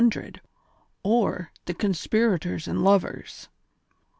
aid : THE CONSPIRATORS AND LOVERS.